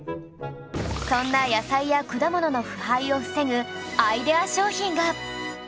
そんな野菜や果物の腐敗を防ぐアイデア商品が